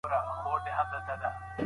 ګونګی سړی د ږیري سره ډېري مڼې خوري.